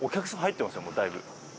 もうだいぶ。